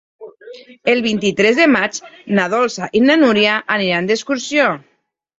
El vint-i-tres de maig na Dolça i na Núria aniran d'excursió.